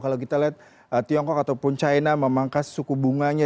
kalau kita lihat tiongkok ataupun china memangkas suku bunganya